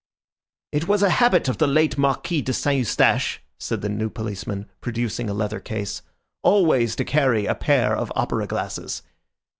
"It was a habit of the late Marquis de St. Eustache," said the new policeman, producing a leather case, "always to carry a pair of opera glasses.